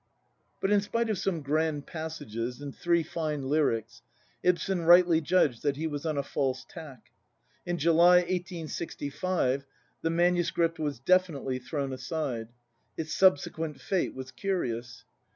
^ But in spite of some grand passages, and three fine lyrics, Ibsen rightly judged that he was on a false tack. In July, 1865, the MS. was definitely thrown aside. Its subsequent fate was curious.